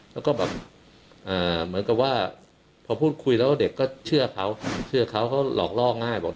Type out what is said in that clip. แล้วก็แบบเหมือนกับว่าพอพูดคุยแล้วเด็กก็เชื่อเขาเชื่อเขาเขาหลอกล่อง่ายบอก